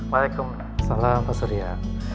waalaikumsalam pak surya